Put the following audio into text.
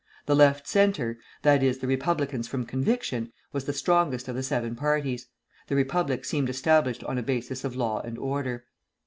The Left Centre that is, the Republicans from conviction was the strongest of the seven parties. The Republic seemed established on a basis of law and order.